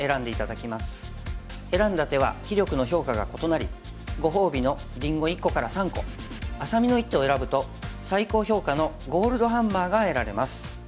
選んだ手は棋力の評価が異なりご褒美のりんご１個から３個愛咲美の一手を選ぶと最高評価のゴールドハンマーが得られます。